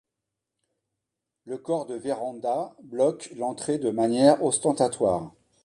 Le corps de Vérand’a bloque l’entrée de manière ostentatoire.